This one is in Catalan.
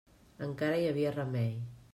Encara hi havia remei.